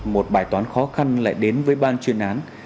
một bài toán khó khăn lại đến với ban chuyên án